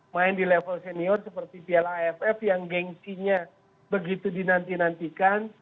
main di level senior seperti piala aff yang gengsinya begitu dinantikan